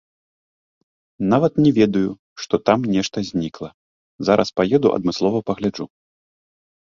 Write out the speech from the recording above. Нават не ведаю, што там нешта знікла, зараз паеду адмыслова пагляджу.